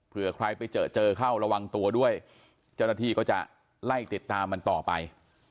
เพื่อใครไปเจอเจอเข้าระวังตัวด้วยเจ้าหน้าที่ก็จะไล่ติดตามมันต่อไป